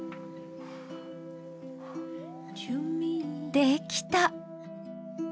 できた！